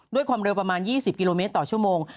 ด้วยความเร็วประมาณ๒๐กิโลเมตรต่อชั่วโมง